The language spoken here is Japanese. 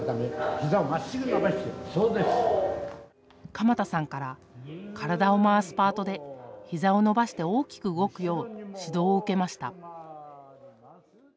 鎌田さんから体を回すパートでひざを伸ばして大きく動くよう指導を受けました。